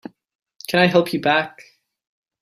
Can I help you pack?